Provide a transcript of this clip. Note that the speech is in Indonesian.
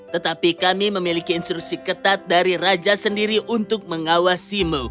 tetapi kami memiliki instruksi ketat dari raja sendiri untuk mengawasimu